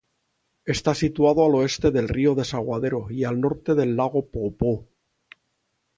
Está situado al oeste del Río Desaguadero y al norte del Lago Poopó.